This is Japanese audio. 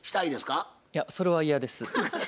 いやそれは嫌です。